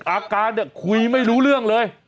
อาการเนี่ยคุยไม่รู้เรื่องเลย